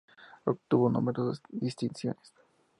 Obtuvo numerosas distinciones.